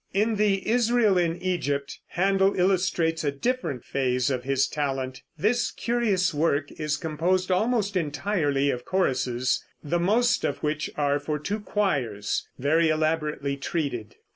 In the "Israel in Egypt" Händel illustrates a different phase of his talent. This curious work is composed almost entirely of choruses, the most of which are for two choirs, very elaborately treated.